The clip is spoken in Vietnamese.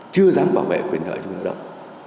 chưa dám bảo vệ quyền nợ cho người nợ động